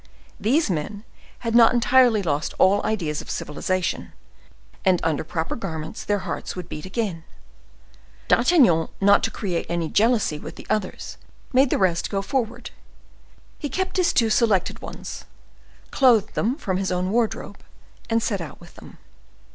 These men had not entirely lost all ideas of civilization, and under proper garments their hearts would beat again. D'Artagnan, not to create any jealousy with the others, made the rest go forward. He kept his two selected ones, clothed them from his own wardrobe, and set out with them.